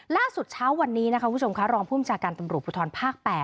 ล่าสุดเช้าวันนี้นะคะคุณผู้ชมค่ะรองภูมิชาการตำรวจภูทรภาค๘